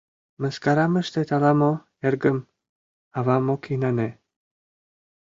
— Мыскарам ыштет ала-мо, эргым? — авам ок инане.